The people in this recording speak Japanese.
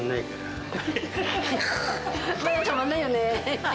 たまんないよね。